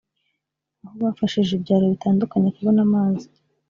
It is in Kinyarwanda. aho bafashije ibyaro bitandukanye kubona amazi